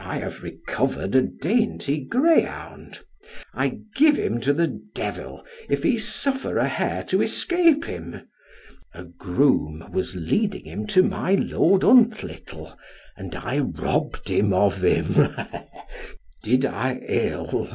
I have recovered a dainty greyhound; I give him to the devil, if he suffer a hare to escape him. A groom was leading him to my Lord Huntlittle, and I robbed him of him. Did I ill?